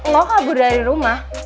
lo kabur dari rumah